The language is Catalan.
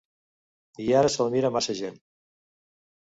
I ara se'l mira massa gent.